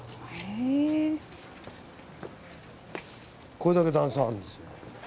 これだけ段差あるんですよね。